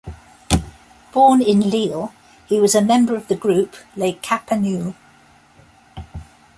Born in Lille, he was a member of the group "Les Capenoules".